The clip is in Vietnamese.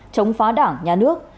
chống phá đảng nhà nước